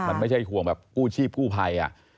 มันไม่ใช่ห่วงแบบกู้ชีพกู้ภัย